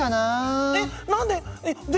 えっ何で？